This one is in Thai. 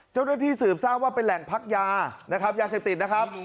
เจ้าหน้าที่สืบทราบว่าเป็นแหล่งพักยานะครับยาเสพติดนะครับ